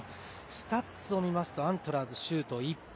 スタッツを見ますとアントラーズ、シュート１本。